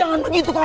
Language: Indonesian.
jangan begitu kawan